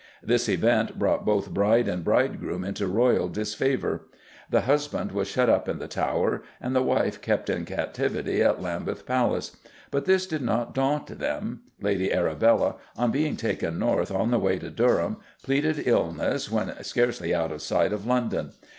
This event brought both bride and bridegroom into royal disfavour. The husband was shut up in the Tower, and the wife kept in captivity at Lambeth Palace. But this did not daunt them. Lady Arabella, on being taken north on the way to Durham, pleaded illness when scarcely out of sight of London.